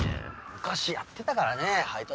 昔やってたからね配達。